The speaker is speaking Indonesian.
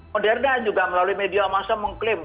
moderna juga melalui media masa mengklaim